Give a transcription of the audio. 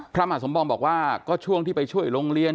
พระมหาสมปองบอกว่าก็ช่วงที่ไปช่วยโรงเรียน